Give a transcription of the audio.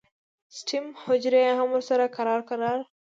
سټیم حجرې هم ورسره کرار کرار